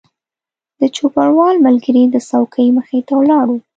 د چوپړوال ملګری د څوکۍ مخې ته ولاړ و.